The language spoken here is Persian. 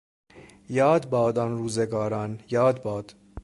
یاد باد آن روزگاران یاد باد